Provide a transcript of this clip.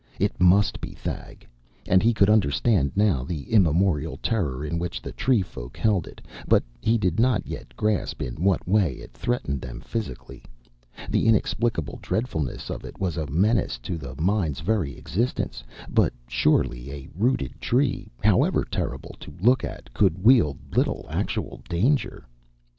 It must be Thag, and he could understand now the immemorial terror in which the tree folk held it, but he did not yet grasp in what way it threatened them physically. The inexplicable dreadfulness of it was a menace to the mind's very existence, but surely a rooted tree, however terrible to look at, could wield little actual danger.